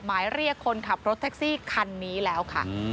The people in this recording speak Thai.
หมายเรียกคนขับรถแท็กซี่คันนี้แล้วค่ะ